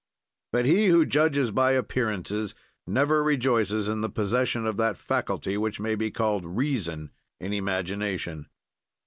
"But he who judges by appearances never rejoices in the possession of that faculty which may be called reason in imagination.